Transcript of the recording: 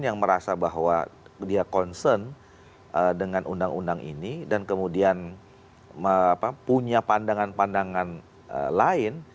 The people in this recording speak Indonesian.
yang merasa bahwa dia concern dengan undang undang ini dan kemudian punya pandangan pandangan lain